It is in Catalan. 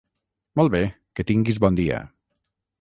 Molt bé, que tinguis bon dia.